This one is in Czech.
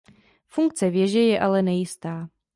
Funkce věže je ale nejistá.